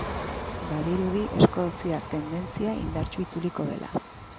Badirudi, eskoziar tendentzia indartsu itzuliko dela.